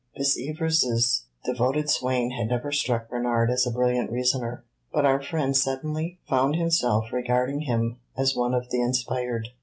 Miss Evers's devoted swain had never struck Bernard as a brilliant reasoner, but our friend suddenly found himself regarding him as one of the inspired.